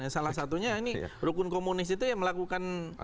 salah satunya ini rukun komunis itu ya melakukan